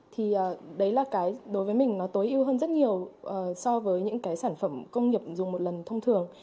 thì đấy là cái đối với mình nó tối ưu hơn rất nhiều so với những cái sản phẩm công nghiệp dùng một lần thông thường